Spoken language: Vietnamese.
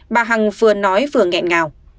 bà hằng vừa nói vừa nghẹn ngào